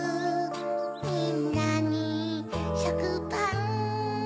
みんなにしょくパン